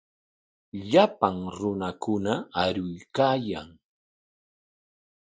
Llapan runakuna aruykaayan.